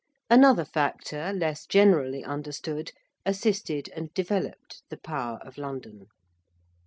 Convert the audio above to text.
Another factor, less generally understood, assisted and developed the power of London.